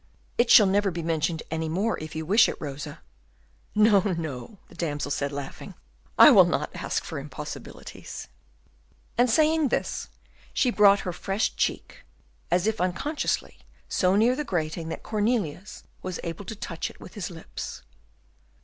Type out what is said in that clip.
"It shall never be mentioned any more, if you wish it, Rosa." "No, no," the damsel said, laughing, "I will not ask for impossibilities." And, saying this, she brought her fresh cheek, as if unconsciously, so near the iron grating, that Cornelius was able to touch it with his lips.